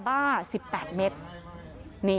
ไม่ใช่